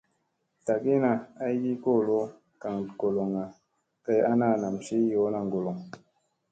Tlagina aygi kolo gaŋ goloŋga kay ana ,nam ciy yoona ŋgolo.